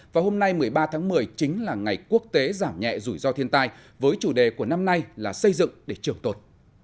và hôm nay một mươi ba tháng một mươi chính là ngày quốc tế giảm nhẹ rủi ro thiên tai với chủ đề của năm nay là xây dựng để trường tột